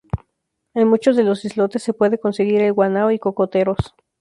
En muchos de los islotes se puede conseguir el guano y cocoteros.